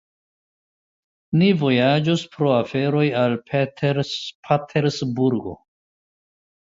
Ni vojaĝos pro aferoj al Patersburgo.